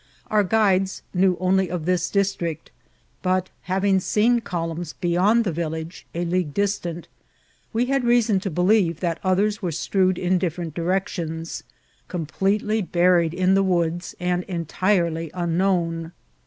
Our guides knew only of this district ; but having seen columns beyond the village, a league distant, we had reason to belieye that others were strewed in di^pdrent directions^ completely buried in the woods, and entirely unknown.